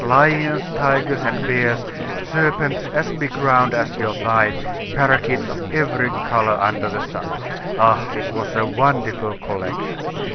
Lions, tigers, and bears, serpents as big round as your thigh, parrakeets of every color under the sun. Ah! it was a wonderful collection.